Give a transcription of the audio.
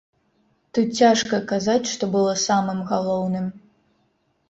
Тут цяжка казаць, што было самым галоўным.